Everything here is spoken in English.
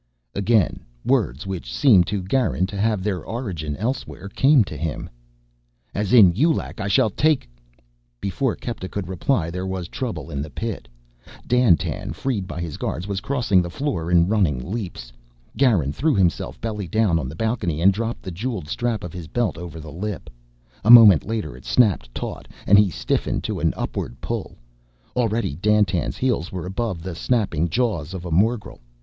Again words, which seemed to Garin to have their origin elsewhere, came to him. "As in Yu Lac, I shall take " Before Kepta could reply there was trouble in the pit. Dandtan, freed by his guards, was crossing the floor in running leaps. Garin threw himself belly down on the balcony and dropped the jeweled strap of his belt over the lip. A moment later it snapped taut and he stiffened to an upward pull. Already Dandtan's heels were above the snapping jaws of a morgel.